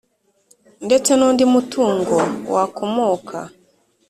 ndetse nundi mutungo wakomoka